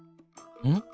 うん？